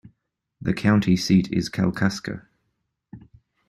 The county seat is Kalkaska.